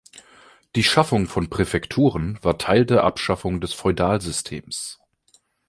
Die Schaffung von Präfekturen war Teil der Abschaffung des Feudalsystems.